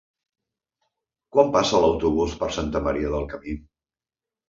Quan passa l'autobús per Santa Maria del Camí?